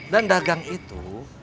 dan dagang itu